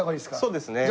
そうですね。